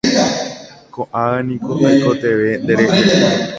Ko'ág̃a niko aikotevẽ nderehe.